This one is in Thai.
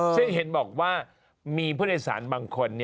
ซึ่งเห็นบอกว่ามีผู้โดยสารบางคน